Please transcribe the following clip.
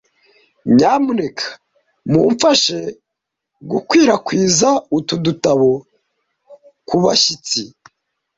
Nyamuneka mumfashe gukwirakwiza utu dutabo kubashyitsi.